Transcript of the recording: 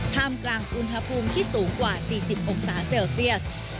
ท่ามกลางอุณหภูมิที่สูงกว่า๔๐องศาเซลเซียส